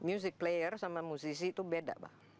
music player sama musisi itu beda pak